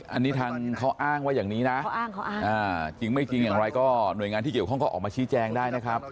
อันนี้ทางเขาอ้างว่าอย่างนี้นะจริงไม่จริงอย่างไรก็หน่วยงานที่เกี่ยวข้องก็ออกมาชี้แจงได้นะครับ